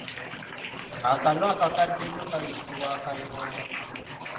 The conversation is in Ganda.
Akanu akakadde ennyo kayitibwa Akanyoomo.